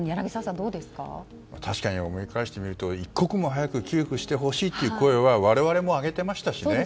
確かに思い返してみると一刻も早く給付してほしいという声は我々も上げていましたしね。